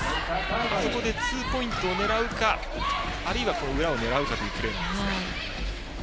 あそこでツーポイントを狙うかあるいは裏を狙うかというプレーになりますが。